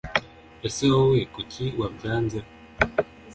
ese wowe kucyi wabyanze